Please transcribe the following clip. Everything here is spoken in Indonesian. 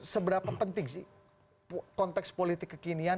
seberapa penting sih konteks politik kekinian